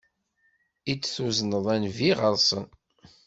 I d-tuzneḍ a Nnbi ɣer-sen.